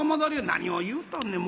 「何を言うとんねん。